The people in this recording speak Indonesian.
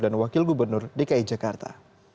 dan wakil gubernur dki jakarta